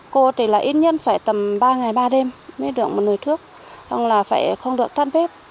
cô thì là ít nhất phải tầm ba ngày ba đêm mới được một nồi thuốc không là phải không được tắt bếp